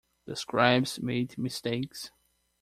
The scribes made mistakes.